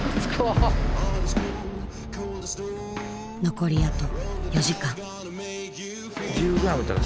残りあと４時間。